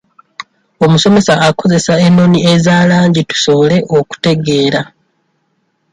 Omusomesa akozesa ennoni eza langi tusobole okutegeera.